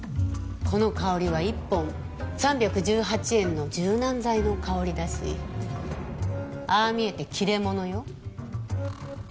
この香りは１本３１８円の柔軟剤の香りだしああ見えて切れ者よ。